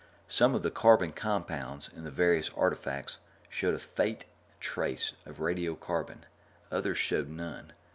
Some of the carbon compounds in the various artifacts showed a faint trace of radiocarbon, others showed none.